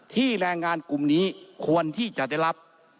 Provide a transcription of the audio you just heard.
แรงงานกลุ่มนี้ควรที่จะได้รับ